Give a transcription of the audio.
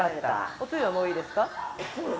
おつゆはもういいですか？